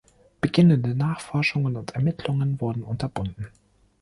Beginnende Nachforschungen und Ermittlungen wurden unterbunden.